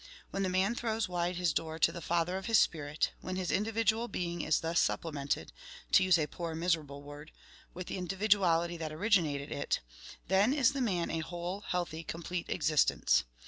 When the man throws wide his door to the Father of his spirit, when his individual being is thus supplemented to use a poor miserable word with the individuality that originated it, then is the man a whole, healthy, complete existence.